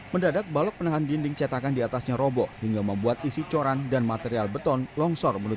mendadak balok penahan dinding cetakan diatasnya roboh hingga membuat isi coran dan material beton longsor